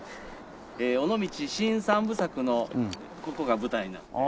尾道新三部作のここが舞台なので。